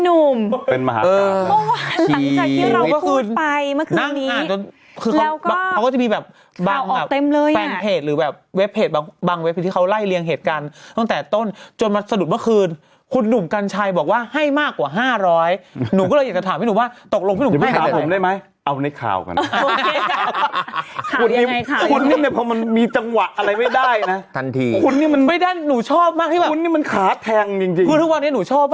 อุ้ยไต่ใหญ่มากบ้าบอกจริงจริงอืม